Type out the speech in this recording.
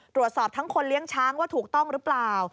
ตรวจสอบทั้งคนเลี้ยงช้างว่าถูกต้องหรือเปล่า